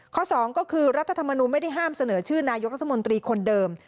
สองก็คือรัฐธรรมนูลไม่ได้ห้ามเสนอชื่อนายกรัฐมนตรีคนเดิม